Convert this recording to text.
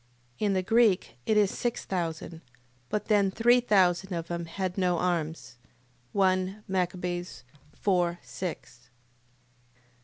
In the Greek it is six thousand. But then three thousand of them had no arms. 1 Mac. 4.6. 8:17.